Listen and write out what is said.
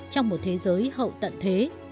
trong một thế giới hậu tận thế